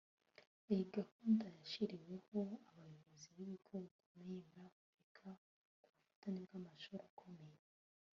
Iyi gahunda yashyiriweho abayobozi b’ibigo bikomeye muri Afurika ku bufatanye bw’amashuri akomeye